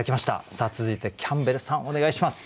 さあ続いてキャンベルさんお願いします。